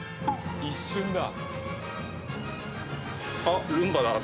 一瞬だ。